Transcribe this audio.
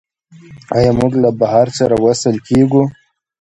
آیا موږ له بحر سره وصل کیږو؟